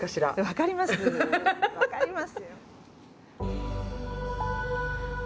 分かりますよ。